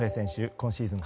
今シーズン